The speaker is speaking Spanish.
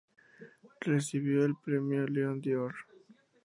Recibió el premio Lion d'Or.